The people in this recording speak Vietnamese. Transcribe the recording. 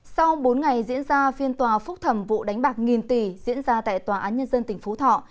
sau bốn ngày diễn ra phiên tòa phúc thẩm vụ đánh bạc nghìn tỷ diễn ra tại tòa án nhân dân tỉnh phú thọ